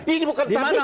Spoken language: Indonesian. ini bukan tabrikat